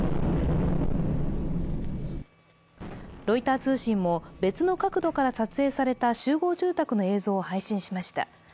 ロイター通信も別の角度から撮影された集合住宅の映像を配信しました。